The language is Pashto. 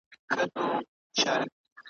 لکه فوج د لېونیانو غړومبېدله `